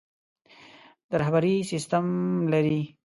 د رهبري سسټم لري.